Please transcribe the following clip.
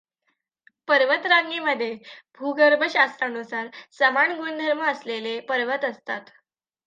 पर्वतरांगेमध्ये भूगर्भशास्त्रानुसार समान गुणधर्म असलेले पर्वत असतात.